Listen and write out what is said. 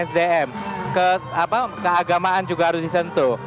sdm keagamaan juga harus disentuh